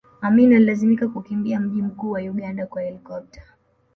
Amin alilazimika kukimbia mji mkuu wa Uganda kwa helikopta